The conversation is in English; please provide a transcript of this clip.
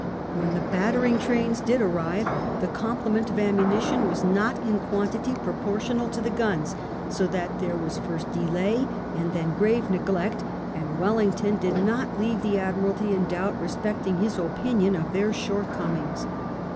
When the battering trains did arrive, the complement of ammunition was not in quantity proportioned to the guns; so that there was first delay and then grave neglect, and Wellington did not leave the Admiralty in doubt re specting his opinion of their shortcomings.